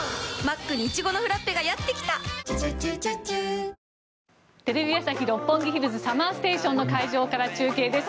ニトリテレビ朝日・六本木ヒルズＳＵＭＭＥＲＳＴＡＴＩＯＮの会場から中継です。